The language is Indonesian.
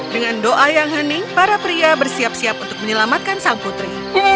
dengan doa yang hening para pria bersiap siap untuk menyelamatkan sang putri